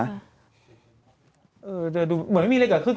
เหมือนไม่มีไรกว่า